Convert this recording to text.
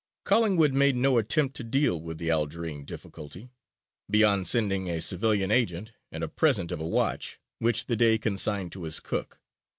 Collingwood made no attempt to deal with the Algerine difficulty, beyond sending a civilian agent and a present of a watch, which the Dey consigned to his cook.